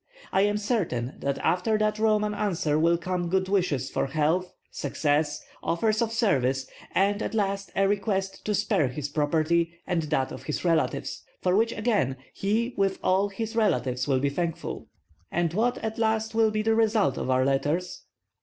I am certain that after that Roman answer will come good wishes for health, success, offers of service, and at last a request to spare his property and that of his relatives, for which again he with all his relatives will be thankful." "And what at last will be the result of our letters?"